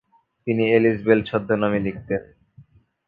তিনি Ellis Bell ছদ্মনামে লিখতেন।